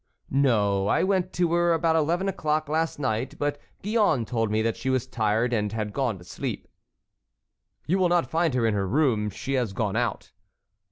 "No. I went to her about eleven o'clock last night, but Gillonne told me that she was tired and had gone to sleep." "You will not find her in her room. She has gone out."